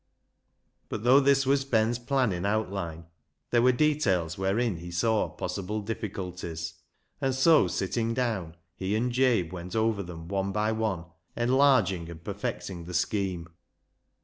But, though this was Ben's plan in outline, there were details wherein he saw possible difficulties, and so, sitting down, he and Jabe went over them one by one, enlarging and perfecting the scheme.